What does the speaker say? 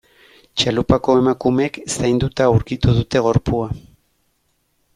Txalupako emakumeek zainduta aurkitu dute gorpua.